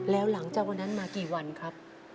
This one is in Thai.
แล้วหลังจากวันนั้นมากี่วันครับ